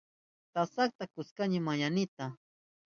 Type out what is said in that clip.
Tasata kushkani mamaynita.